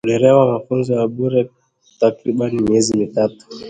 udereva na mafunzo ya bure ya takriban miezi mitatu